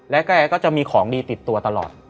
และแกก็จะมีของดีติดตัวตลอด